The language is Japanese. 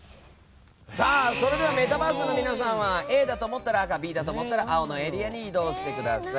それではメタバースの皆さんはＡだと思ったら赤Ｂだと思ったら青のエリアに移動してください。